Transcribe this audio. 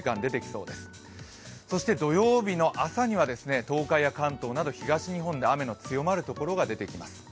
そして土曜日の朝には東海や関東など東日本で雨の強まる所が出てきます。